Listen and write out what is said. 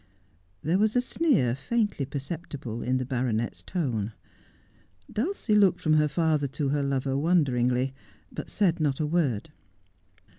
There was a sneer faintly perceptible in the baronet's tone. Dulcie looked from her father to her lover wonderingly, but said not a word.